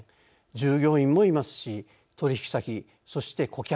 従業員もいますし取引先、そして顧客。